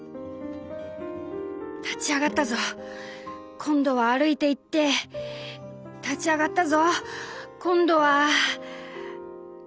「立ち上がったぞ今度は歩いていって立ち上がったぞ今度は」。